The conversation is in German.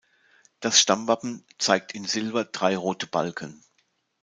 Das Stammwappen zeigt in Silber drei rote Balken.